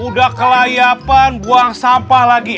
udah kelayapan buang sampah lagi